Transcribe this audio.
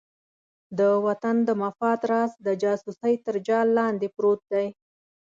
د وطن د مفاد راز د جاسوسۍ تر جال لاندې پروت دی.